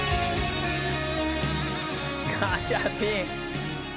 「ガチャピン」